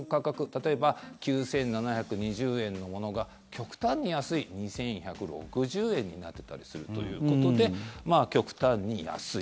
例えば９７２０円のものが極端に安い２１６０円になってたりするということで極端に安い。